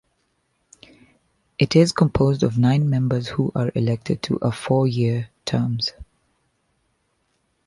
It is composed of nine members who are elected to a four-year terms.